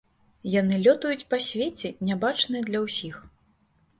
Яны лётаюць па свеце, нябачныя для ўсіх.